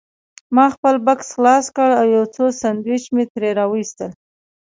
ما خپل بکس خلاص کړ او یو څو سنډوېچ مې ترې راوایستل.